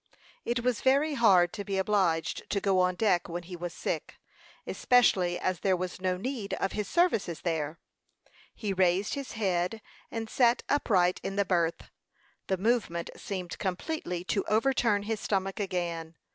It was very hard to be obliged to go on deck when he was sick, especially as there was no need of his services there. He raised his head, and sat upright in the berth. The movement seemed completely to overturn his stomach again.